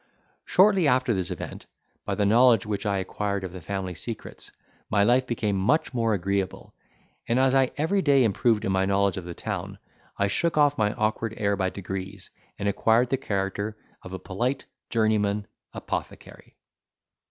Shortly after this event, by the knowledge which I acquired of the family secrets, my life became much more agreeable; and as I every day improved in my knowledge of the town I shook off my awkward air by degrees, and acquired the character of a polite journeyman apothecary.